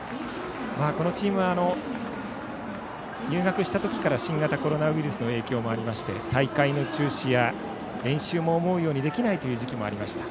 このチームは入学したときから新型コロナウイルスの影響もあって大会の中止や練習も思うようにできないという時期もありました。